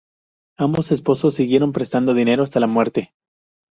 Ambos esposos siguieron prestando dinero hasta la muerte.